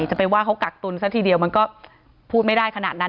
จะไปว่าเขากักตุลซะทีเดียวมันก็พูดไม่ได้ขนาดนั้น